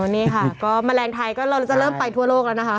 นี่ค่ะก็แมลงไทยก็เราจะเริ่มไปทั่วโลกแล้วนะคะ